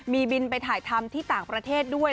มีบินไปถ่ายทำที่ต่างประเทศด้วย